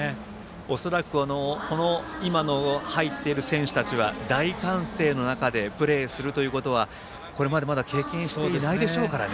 恐らく今入っている選手たちは大歓声の中でプレーすることはこれまでまだ経験していないでしょうからね。